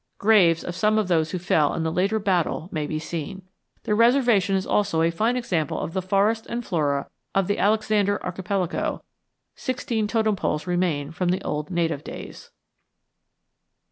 Graves of some of those who fell in the later battle may be seen. The reservation is also a fine exhibit of the forest and flora of the Alexander Archipelago. Sixteen totem poles remain from the old native days.